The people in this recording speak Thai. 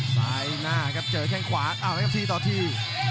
ซ้ายหน้าครับเจอแค่งขวาอ้าวแล้วครับทีต่อที